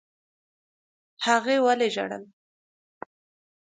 هغې ولي ژړل؟